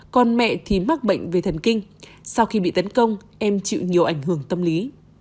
còn mẹ thì mắc bệnh về thần kinh sau khi bị tấn công em chịu nhiều ảnh hưởng tâm lý